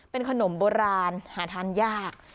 เป็นขนมโบราณหาทานยาก